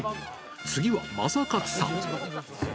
次は、正勝さん。